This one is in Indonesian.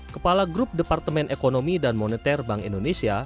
kepala grup departemen ekonomi dan moneter bank indonesia